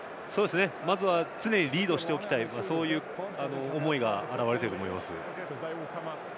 まずは常にリードしておきたいという思いが表れていると思います。